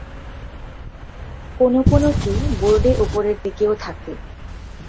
কোন কোন কী বোর্ডে উপরের দিকেও থাকে।